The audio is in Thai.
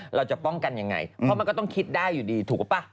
เราจะป้องกันยังไงเพราะมันก็ต้องคิดได้อยู่ดีถูกหรือเปล่าป่ะ